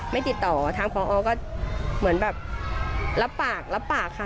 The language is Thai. ไม่ติดต่อทางพอก็เหมือนแบบรับปากรับปากค่ะ